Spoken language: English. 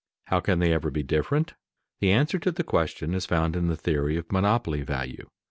How can they ever be different? The answer to the question is found in the theory of monopoly value.